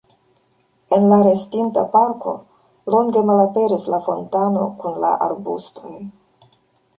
En la restinta parko longe malaperis la fontano kun la arbustoj.